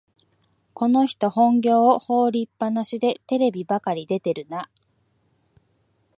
この人、本業を放りっぱなしでテレビばかり出てるな